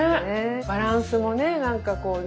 バランスもねなんかこうね